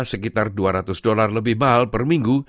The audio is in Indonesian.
sekitar dua ratus dolar lebih mahal per minggu